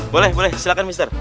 boleh boleh silahkan mister